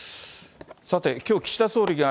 さて、きょう岸田総理が、